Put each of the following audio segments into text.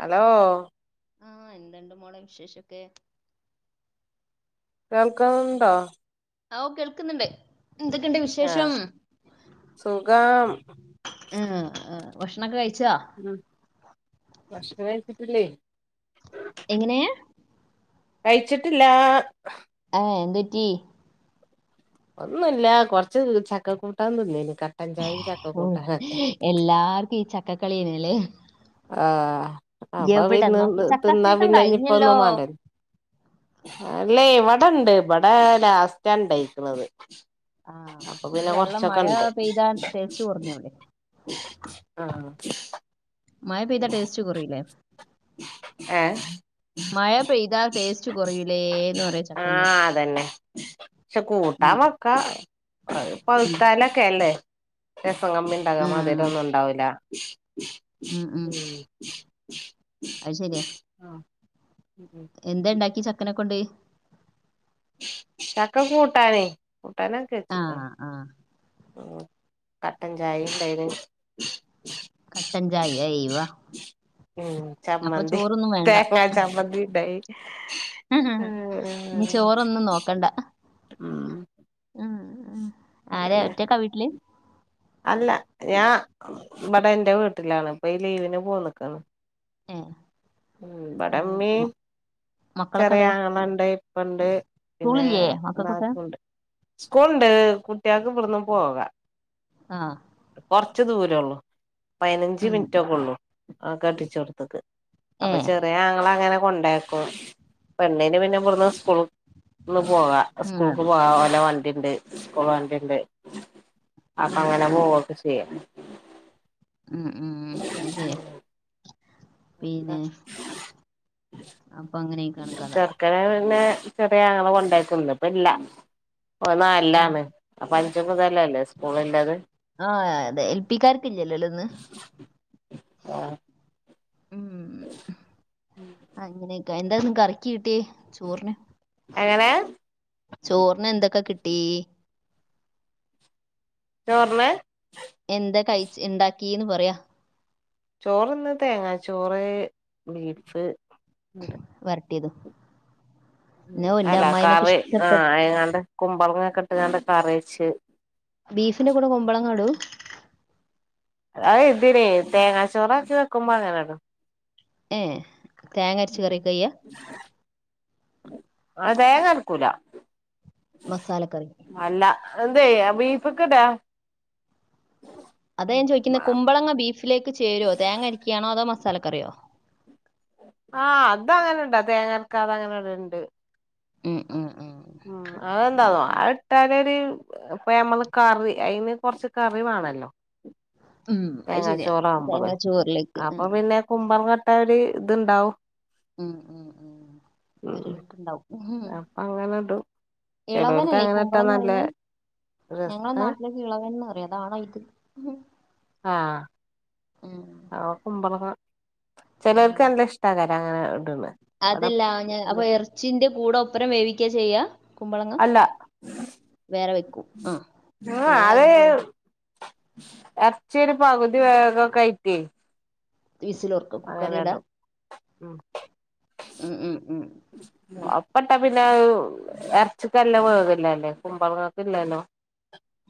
Hello ആ എന്ത്ണ്ട് മോളെ വിശേഷൊക്കെ കേൾക്ന്നുണ്ടോ ആ ഓ കേൾക്ന്ന്ണ്ട് എന്തൊക്കെണ്ട് ആഹ് വിശേഷം സുഖം ആ ആ ഭക്ഷണം കഴി ഉം ഭക്ഷണം കഴിച്ച്ട്ട്ല്ലേ എങ്ങനെയാ കഴിച്ച്ട്ട്ല്ല എ എന്തുറ്റി ഒന്നുല്ല കൊർച്ച് ചക്ക കൂട്ടാൻ തിന്നീനി ഓ എല്ലാർക്കും ഈ ചക്കക്കളിയല്ലേ ആ അപ്പ പിന്ന് നോക്കി ചക്ക തിന്നാ സീസൺ പിന്നെ ഇനി ഇപ്പോ കഴിഞ്ഞല്ലോ ഒന്നും വാണ്ടാലോ അല്ലേ ഇവിടെ ഇണ്ട് ഇവിടെ ലാസ്റ്റാണ്ടായ്ക്ക്ണത് ആ വെള്ളം മഴ ഇണ്ട് പെയ്താ തേച്ചു കോറഞ്ഞൂല്ലേ ആ മഴ പെയ്ത ടേസ്റ്റ് കൊറയുല്ലേ ഏഹ് മഴ പെയ്താ ടേസ്റ്റ് കൊറയൂലേന്ന് പറയാ ചക്കന്റെ ഷേ ഉം കൂട്ടാൻ വെക്കാ ഉം പഴുത്താലൊക്കെല്ലേ രസം കമ്മി ഉണ്ടാകാ ആഹ് മധുരോന്നും ഉണ്ടാവൂല്ല ഉം അയ് ശെരിയാ ഉം എന്താ ണ്ടാക്കിയെ ചക്കനെ കൊണ്ട് ചക്ക കൂട്ടാന് കൂട്ടാനൊക്കെ വച്ചിക്കാണ് ആഹ് ആഹ് ഉം കട്ടൻ ചായ ഉണ്ടയിന് കട്ടൻചായ് അയ്‌വാ ഉം ചമ്മന്തി തേങ്ങാ ചമ്മന്തി ഇണ്ടായി ഇനി ചോറൊന്നും നോക്കണ്ട ഉം ഉം ആരെ അതന്നെ ഒറ്റക്കാ വീട്ടില് അല്ല ഞാ ഇവടെ ഇന്റെ വീട്ടിലാണ് ഇപ്പോ ഈ ലീവിന് പോന്ന്ക്കണ് ഏഹ് ഇവിട ഉമ്മി മക്കളൊക്കെ ചെറിയ എവിടെ ആങ്ങളണ്ട് ഇപ്പണ്ട് പിന്നെ സ്കൂളില്ലേ മക്കൾക്കൊക്കെ നാത്തൂൻണ്ട് സ്കൂള്ണ്ട് കുട്ടികൾക്ക് ഇവിടന്ന് പോകാ ആഹ് ച്ച് ദൂരൊള്ളൂ പയ്നഞ്ച് മിൻറ്റൊക്കൊള്ളൂ ആ കെട്ടിച്ചോട്ത്ത്ക്ക് ഏ അപ്പൊ ചെറിയ ആങ്ങളങ്ങനെ കൊണ്ടയാക്കും പെണ്ണിന് പിന്നെ ഇവിട്ന്ന് സ്കൂള് ള് പോവ ഉം, സ്കൂൾക്ക് അത് പോവാ ഓലെ വണ്ടിണ്ട് സ്കൂൾ വണ്ടിണ്ട് അപ്പൊ ഉം, അങ്ങനെ ഉം, പോവൊക്കെ ചെയ്യും ഉം ഉം അതെ പിന്നെ അപ്പ ചെർക്കനെ പിന്നെ ചെറിയ ആങ്ങള കൊണ്ടയാക്കും ഇന്ന് പ്പ ഇല്ല ഓ എവിടെ നാല്ലാണ് അപ്പൊ അഞ്ച് മുതലല്ലെ സ്കൂള് ല്ലത് ആ അതെ എൽ പിക്കാർക്കില്ലല്ലോ ഇന്ന് ഉം അങ്ങനെയൊക്കെ എന്താ ഇന്ന് കറിക്ക് കിട് ട്ടി ചോറിന് എങ്ങനെ ചോറിനെന്തൊക്കെ കിട്ടി ചോർന് എന്താ കൈയ്ച്ച് ണ്ടാക്കിന്ന് പറയാ ചോറ് ന്ന് തേങ്ങാ ചോറ് ബീഫ് ണ്ട് ട്ട്യേതും അല്ല കറി ആ ഇഷ്ടപ്പെട്ട ആയങ്ങാണ്ട് കുമ്പളങൊക്കെ ഇട്ട് ങ്ങാണ്ട് കറീച്ച് ബീഫിന്റെ കൂടെ കുമ്പളങ്ങ ഇടും അത് ഇതിനെ തേങ്ങാച്ചോറൊക്കെ വെക്കുമ്പ അങ്ങനിടും ഏ തേങ്ങര്ച്ച് കറിക്കായ്യാ ആ തേങ്ങരക്കൂല മസാലക്കറി അതേ അ ബീഫ്ക്ക്ടാ അതാ ഞാൻ ചോയ്ക്ക്ന്നത് കുമ്പളങ്ങ ബീഫിലേക്ക് ചേരോ തേങ്ങ അരയ്ക്കാണോ അതോ മസാലക്കറിയോ ആ അതങ്ങനടാ തേങ്ങരക്കാതെ അങ്ങനെട്ല്ണ്ട് ഉം ഉം ഉം ഉം അതെന്താന്നോ അയ്ട്ടാല് [unintelligible] ഇപ്പ അമ്മള് കറി അയ്ന് കൊർച്ച് കറി വാണല്ലോ ഉം, അത് ശരിയാ തേങ്ങാച്ചോറാവുമ്പള് തേങ്ങാ ചോറിലേക്ക് അപ്പൊ ഉം പിന്നെ കുമ്പളങ്ങ ട്ടാ ഒര്ത്ണ്ടാവും ഉം ഉം ഉം ഒര് ഉം ലുക്ക്ണ്ടാവും. അപ്പൊ അങ്ങനെടും ചെലോർക്ക് ഇളവനല്ലേ ഈ അങ്ങനെ ഇട്ടാ നല്ല കുമ്പളങ്ങറിണെ രസ ഞങ്ങളെ ഏഹ് നാട്ടിലൊക്കെ ഇളവൻന്ന് പറിം അതാണോ ഇത് ആ ഉം ആ കുമ്പളങ്ങ ചിലർക്ക് നല്ല ഇഷ്ട്ടില്ല അങ്ങനെ ഇടണെ അതല്ലാ ഞാൻ അപ്പൊ ഇറച്ചിന്റെ കൂടെ ഒപ്പരം വേവിക്ക ചെയ്യാ കുമ്പളങ്ങ അല്ല വേറെ വെക്കും ആ അല്ലെ വലിയ ഇറച്ചീടെ പകുതി വേഗോക്കായിട്ടേ വിസിലോർക്ക കുക്കറിലിടാ ഉം ഉം ഉം ഉം അപ്പണ്ടാവിൻ പിന്നെ ഇറച്ചിക്കല്ല വേകല്ലല്ലേ കുമ്പളങ്ങക്കില്ലല്ലോ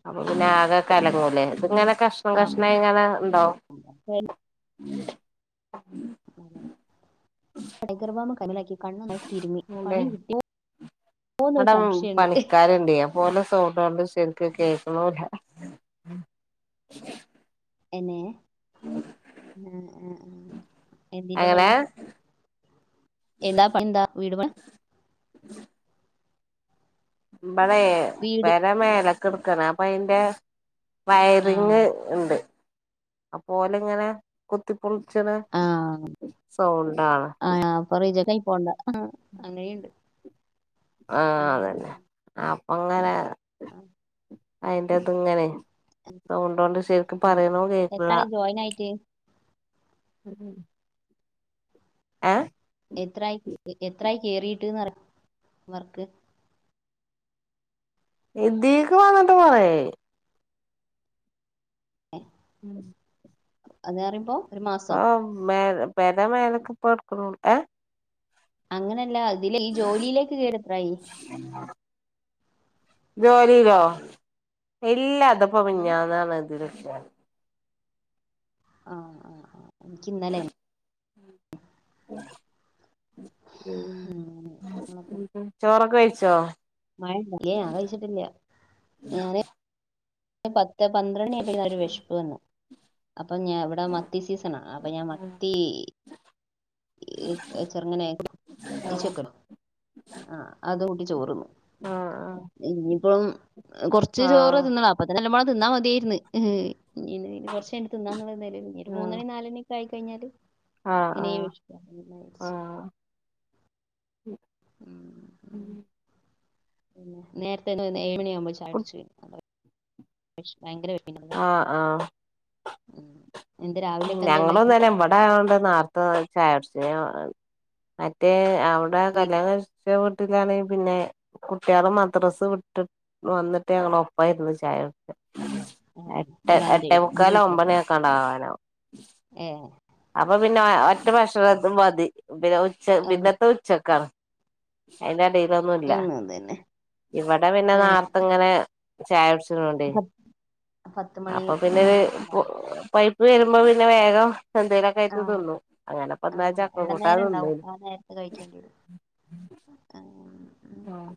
അപ്പ പിന്നെ ആകെ കലങ്ങൂലെ ഇങ്ങനെ കഷ്ണം ആഹ് കഷ്ണായി ഇങ്ങനെ ഉണ്ടാവും കുക്കർ ടൈഗർ ബം കണ്ണിലാക്കി കണ്ണ് ആകെ തീരുമ്മി പണി കിട്ടിയോ അവിടം പണിക്കാരുണ്ട് അപോലും തോട്ടാണ്ട് ശരിക്കും കേൾക്കുല എന്നെ ആ ആ എന്തിന്റെ അങ്ങനെ പണിയാ എന്താ പൺതാ വീടുപണ് ഇബ്ബ്ടെേ വീട് പെര മേലേക്കെടുക്കാണെ അപ്പ അയിന്റെ ആ വയറിങ്ങേ ഉണ്ട് അപ്പോലിങ്ങനെ കുത്തി പുളിച്ചണെ ആ സൗണ്ടാണ് ആ അപ്പൊ റിജക്ട് ആയി പോണ്ട അങ്ങനെയുണ്ട് ആ അതല്ലെ അപ്പൊങ്ങനെ ആ അയിന്റാത്തിങ്ങനെ സൗണ്ടൊണ്ട് ശരിക്കും ഉം. പറയണോ കേക്കൂള്ള എത്രായി ജോയിൻ ആയിട്ട് ഉം എത്രായി എത്രായി കേറീട്ടെന്ന റിയോ വർക്ക് എന്തേക്കെ വന്നിട്ട്. പറെ ഏ ഉം ഉം അത് പറയുമ്പോ ഒരു മാസോ ആ പെര മേലക്ക് പ്പോ ഇടക്ക്ണൊള്ളൂ ഏ അങ്ങനല്ല അതിലെ ഈ ജോലിയിലേക്ക് കേറി എത്രായി ജോലിയിലോ ഇല്ല അത്പ്പം ആ മിഞ്ഞാന്നാണ് ഇതിലിട്ടെ ആ ആ ആ എനിക്ക് ഇന്നലെണ് ഉ ഉ [inaudible] ഉം പിന്നെ ചോറൊക്കെ കഴിച്ചോ മഴണ്ട് ഞാൻ കഴിച്ചിട്ടില്ല ഞാന് പത്ത് പന്ത്രണ്ടണി ആയപ്പോ ഒരു വിശപ്പ് വന്നു അപ്പൊ ഞാൻ ഇവിടെ മത്തി സീസണാണ് അപ്പൊ ഞാൻ മത്തി ചെറങ്ങനെ വറ്റിച്ച് വെക്കോലോ ആ അത് കൂട്ടി ചോറുന്നു ആ ആ അപ്പളും കുറച്ച് ആ ചോറ് തിന്നൊള്ളൂ അപ്പത്തന്നെ എല്ലാം പാടെ തിന്നാ മതിയായിരുന്ന് ഹ് ഹ് ഇ ഇനി കൊറച്ച് തിന്നാന്നുള്ള ഒരു മൂന്നണി നാലണി ഒക്കെ ആയിക്കഴിഞ്ഞാല് ആ ആ ലൈറ്റ്സ് ഉ ഉം പിന്നെ നേരത്തെ ഒര് ഏഴുമണിയാവുമ്പോ ചായ കുടിച്ച് ഭയങ്കര വിഭിന്നത ആ ആ ഞങ്ങളുംതന്നെ ഇവടാവുമ്പോ നേരത്തെ ചായ കുടിച്ചു. മറ്റേ അവിടെ വീ- കല്യാണം കഴിച്ച വീട്ടിലാണെ പിന്നെ കുട്ടികള് മദ്രസ് വിട്ടി് വന്നിട്ട് ഞങ്ങള് ഒപ്പം ഇരുന്നു ചായ കുടിച്ച ആ, എട്ട് എവിടെ എന്റെ എട്ടേ വീട്ടിൽ എന്റെ മുക്കാല് വീട്ടില് ഒമ്പണിയൊക്കെ ആകാനാവും ഏ അപ്പൊ പിന്നെ ഒറ്റ ഭക്ഷണും മതി പിന്നെ ഉച്ചക് അത് പിന്നത്തെ ഉച്ചക്കാണ് അയിന്റെ എടേലൊന്നും ല്ല ഉം, അത് തന്നെ ഇവിടെ പിന്നെ ഏ, നാർത്തെ ഇങ്ങനെ ചായട്ച്ച്ണൊണ്ടെ പത്ത് മണി അപ്പൊ പിന്നെ ഒര് അങ്ങനെയൊക്കെ ഉണ്ടാവും പൈപ്പ് വരുമ്പോ പിന്നെ വേഗം എന്തേയിലൊക്കെ ആയിട്ട് ആഹ് തിന്നും അങ്ങനെപ്പതാ ആഹ് ചക്ക കൂട്ടാൻ ഇടനേരം തിന്ന് ഉണ്ടാവും ആ നേരത്ത് കഴിക്കേണ്ടി വരും ഉം ആഹ്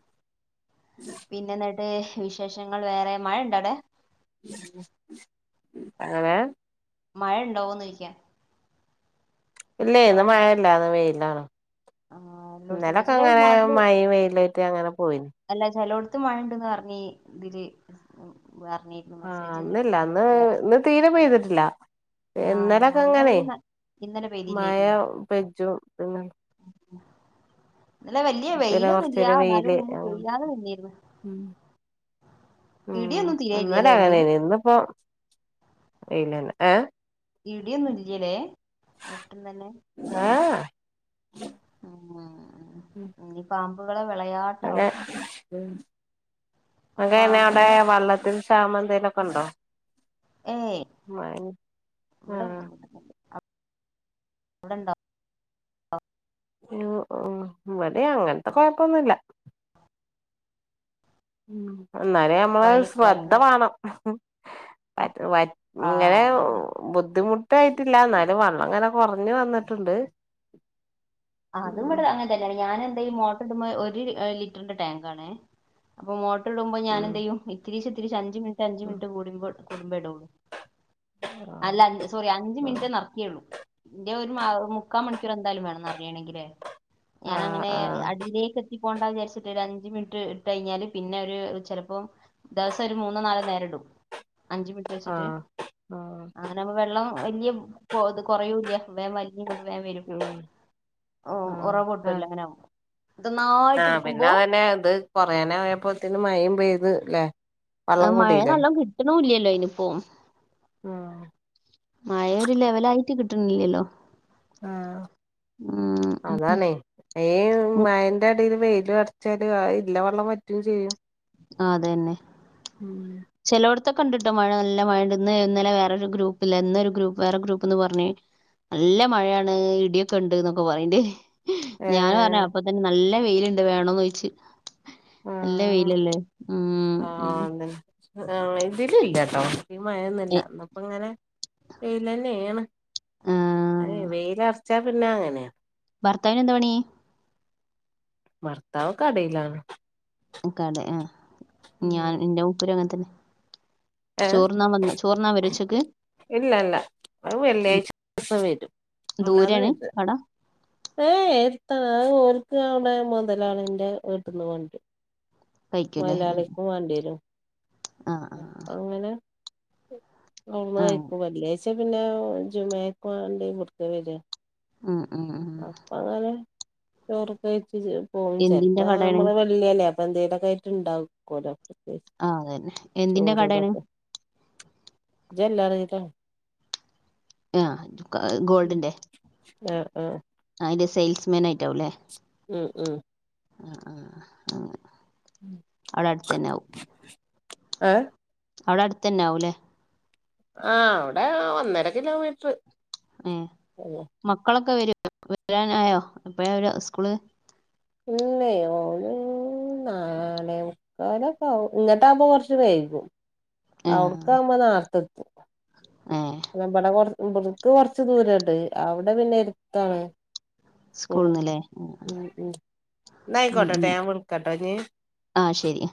പിന്നെ എന്നിട്ട് വിശേഷങ്ങൾ വേറെ മഴ ഇണ്ടോ അടെ എങ്ങനെ മഴയുണ്ടോന്ന് ചോയ്ക്കാ ഇല്ലെ ഇന്ന് മഴ ഇല്ല ന്ന് വെയിലാണ് ആഹ് എല്ലോടത്തുണ്ട് ഇന്നലൊക്കെ ചില അങ്ങനെ നാട്ടില് മഴിം വെയിലും ആയിട്ട് അങ്ങനെ പോയിന് അല്ല ചെലോടത്ത് മഴ ഉണ്ട്ന്ന് പറഞ്ഞ് ഇതില് പറഞ്ഞിരുന്നു ആഹ് മെസ്സേജ് ഇന്നില്ല ഇന്ന് ഉണ്ടായിരുന്നു. ഇന്ന് തീരെ പെയ്തിട്ടില്ല ആഹ് ഇന്നലൊക്കെ ങ്ങനൈ ഞങ്ങളവിടെയും ഇന്നലെ മയ പെയ്തില്ലായിരുന്നു പെജും പിന്നെ ഇന്നലെ വല്യ പിന്നെ വെയിലൊന്നുംല്യ കൊറച്ചേരം വെയില് എന്നാലും അങ്ങനെ പെയ്യാതെ നിന്നീരുന്നു ഉം ഉം ഇന്നലെ അങ്ങനെന്നൈനു ഇന്നിപ്പോ വെയിലന്നെ ഏ ഇടിയൊന്നും ഇല്ല്യ ലെ ഒട്ടും തന്നെ ഉ [unintelligible] ഉം ഉം ഉം ഇഞ്ഞി പാമ്പുകളെ അതെ വിളയാട്ടാവും അങ്ങെന്നെ പാമ്പ് അവിടെ വള്ളത്തിൽ ക്ഷാമന്തേലൊക്കെ ഉണ്ടോ ഏയ് മഴ ആ അവിടെണ്ടോ ഇവിടെ അങ്ങനത്തെ കൊഴപ്പൊന്നുല്ല ഉം അന്നേരേ നമ്മളെ ഒരു കൊയല് കൊയൽ ശ്രദ്ധ കിണറാ മാണം ആ ങ്ങനെ അതന്നെ ബുദ്ധിമുട്ട് ട്ടായിട്ടില്ല എന്നാലും വള്ളം ഇങ്ങനെ കൊറഞ്ഞു വന്നിട്ടുണ്ട് അതും ഉം ഇവിടെ അങ്ങനെ തന്നെയാണ് ഞാന് മോട്ടറ്ടുമ്പ ഒരു ലിറ്ററിന്റെ ടാങ്കാണ് ട്ടറ്ടുമ്പോ ഞാന് ഉം എന്ത് ചെയ്യും ഇത്തിരിച്ചെ ഇത്തിരിച്ചെ അഞ്ച് മിനിറ്റ് അഞ്ച് മിനിറ്റ് കോ കൂടുമ്പോേടേള്ളൂ ആഹ് അല്ല സോറി അഞ്ച് മിനിറ്റ് നിറക്കിയേള്ളൂ ഇൻ്റെ ഒരു മുക്കാ മണി എന്തായാലും വേണംന്ന് അറിയണെങ്കില് ആഹ് ഞാനങ്ങന ആഹ് അടിയിലേക്ക് എത്തി പോണ്ട വിചാരിച്ചിട്ട് ഒരു അഞ്ച് മിനിറ്റ് ഇട്ട് കഴിഞ്ഞാല് പിന്നെ ഒരു ചിലപ്പോം ദിവസം ഒരു മൂന്നോ നാലോ നേരിടും അഞ്ച് മിനിറ്റ് വെച്ചിട്ട് ആഹ് ആഹ് അങ്ങനെുമ്പോ വെള്ളം വല്യ ഇത് കുറയൂല്ല വലിഞ്ഞ് ങ്ങനെ കൊടുപയാൻ വരും ഉം ആഹ് ഉറവൊട്ടൂല്ല ആഹ് അങ്ങന ആഹ് പിന്നെ അതന്നെ ഇത് കൊറനെ യപ്പോത്തന് മയയും പെയ്ത് ല്ലേ വള്ളം മഴ കൂടില്ലേ നല്ലണം കിട്ടണൂല്ലല്ലോ ഇനിപ്പോ ആഹ് മഴ ഒരു ലെവലായിട്ട് കിട്ടുന്നില്ലല്ലോ ആ അതാണ് ഉം, മയെൻ്റെ എടിൽ വെയില് വ ചരി ഇല്ല വെള്ളം വറ്റും ചെയ്യും ആ അതെെന്നെ ഉം ഇ കണ്ടിട്ട് മഴ നല്ല മഴ ഇന്നലെ വേറെരു ഗ്രൂപ്പ് ഇല്ല ഇന്നൊരു ഗ്രൂപ്പ് വേറെ ഗ്രൂപ്പ് എന്ന് പറഞ്ഞ നല്ല മഴയാണ് ഇടിയൊക്കെ ഉണ്ട് എന്നൊക്കെ പറണ്ട് ഞൻ പറഞ്ഞ് ഏഹ് അപ്പ തന്നെ നല്ല വെയിലുണ്ട് വേണന്ന് ചോദിച്ച് നല്ല ആഹ് വെയിലല്ലേ ഉം ഉം ആഹ് ഇതില് ഇല്ല കേട്ടോ ഈ മയൊന്നില്ല എന്നപ്പ ഇങ്ങനെ വെയിലന്നെെയണ് അ ആഹ് വെയിലറച്ചാ പിന്നെ അങ്ങനെയാണ് ഭർത്താവിന് എന്താ പണി ഭർത്താവ് കടേലാണ്. കട ആ ഞാൻ എന്റെ മൂപ്പരും അങ്ങനെത്തന്നെ ഏഹ് ചോർന്നാ വന്ന ചോർന്നാ വരൊ ഉ ച്ചക്ക് ഇല്ല ഇല്ല അ വെള്ളിയാഴ്ച ദിവസം വരും അല്ലാതെ ദൂരെയാണ് വരുത് കട ഏ എര്ത്താണ് അ ഓൽക്ക് അവ് ടെ മൊതലാളിൻറെ വീട്ടിന്ന് കൊണ്ട് രും കഴിക്കൂലേ മൊയ്യാളിക്കും വേണ്ടിരും ആ ആ അങ്ങനെ ഔട്ന്ന് ആ കയിക്കും വെള്ളിയാഴ്ച പിന്നെ ജുമുഅക്ക് വാണ്ടി ഇവ്ട് ക്കാ വര ഉം ഉം ഉം അപ്പ അങ്ങനെ ചോറക്കെ വെയ്ച്ച് പോവും. എന്തിന്റെ ചെൽപ്പോ കടയാണ് നമ്മള് വെള്ളിയല്ലേ എന്തെലൊക്കെ ആയിട്ട്ണ്ടാക്കോലോ ആ അതന്നെ എന്തിന്റെ കടയാണ് ചോറ്തക്ക [unintelligible] ആ്ഗോൾഡിന്റെ ആഹ് ആഹ് ആയിന്റെ സെയിൽസ്മാൻ ആയിട്ടാവും അല്ലേ ഉം ഉം ആ ആഹ ആ അവിടെ അടുത്ത് തന്നെ ആാവും. ഏഹ് അവിടെ അടുത്തെ ന്നെ ആവും ല്ലേ. ആ അവിടെ ഒന്നര കിലോമീറ്റർ ഏ മക്കളൊക്കെ വരു വരാനായോ എപ്പോഴാ സ്കൂള് ഇല്ലേ ഓല് നാലേ മുക്കാലക്കെ ആവും. ഇങ്ങട്ടാവുമ്പോ കൊർച്ച് വൈകും. ഏ അവിട്ക്കാവുമ്പോ നാർത്തെ എത്തും ഏ ന്നാ ബടെ കൊർ ഇബ്ടക്ക് കൊർച്ച് ദൂരണ്ട്. അവിടെ പിന്നെ എര്ത്താണ്. ഉം സ്കൂളിന്നല്ലേ ഉം ഉം ഉം ന്നയിക്കോട്ടട്ടെ ഉം. ഞാൻ വിളിക്കട്ടോ ന്ന് ആ ശരി